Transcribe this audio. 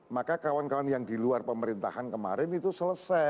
maka kawan kawan yang di luar pemerintahan kemarin itu selesai